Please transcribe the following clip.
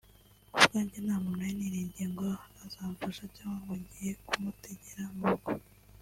Kubwanjye nta muntu nari niringiye ngo azamfasha cyangwa ngo ngiye kumutegera amaboko